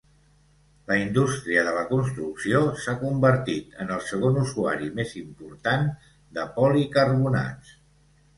La indústria de la construcció s'ha convertit en el segon usuari més important de policarbonats.